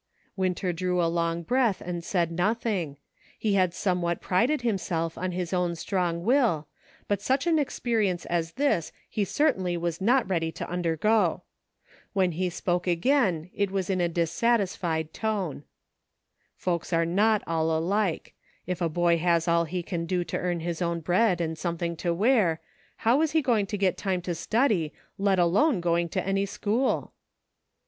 Winter drew a long breath and said nothing ; he had somewhat prided himself on his own strong will, but such an experience as this he certainly was not ready to undergo. When he spoke again it was in a dissatisfied tone :" Folks are not all alike ; if a boy has all he can do to earn his own bread and something to wear, how is he going to get time to study, let alone going to any school